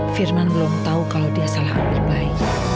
firman belum tau kalau dia salah ambil bayi